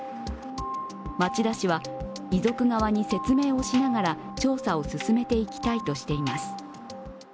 町田市は、遺族側に説明をしながら調査を進めていきたいとしています。